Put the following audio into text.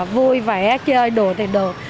vui vẻ chơi đùa thì được